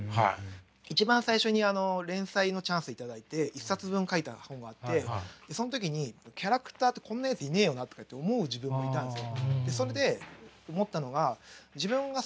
一番最初にあの連載のチャンス頂いて１冊分描いた本があってその時にキャラクターってこんなやついねえよなとかって思う自分もいたんですよ。